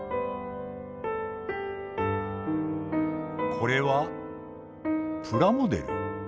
これはプラモデル？